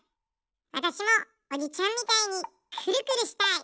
わたしもおじちゃんみたいにくるくるしたい。